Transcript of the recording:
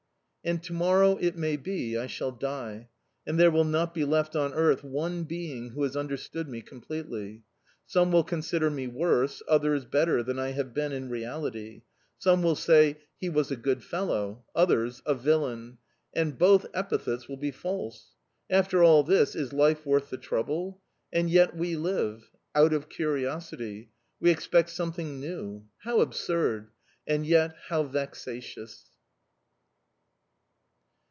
And to morrow, it may be, I shall die!... And there will not be left on earth one being who has understood me completely. Some will consider me worse, others, better, than I have been in reality... Some will say: 'he was a good fellow'; others: 'a villain.' And both epithets will be false. After all this, is life worth the trouble? And yet we live out of curiosity! We expect something new... How absurd, and yet how vexatious!